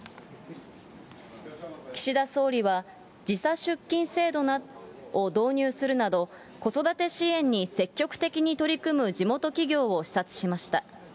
岸田総理は時差出勤制度を導入するなど、子育て支援に積極的に取り組む地元企業を視察しました。